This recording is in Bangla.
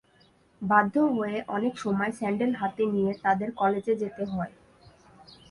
বাধ্য হয়ে অনেক সময় স্যান্ডেল হাতে নিয়ে তাঁদের কলেজে যেতে হয়।